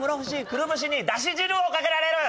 くるぶしにだし汁をかけられる。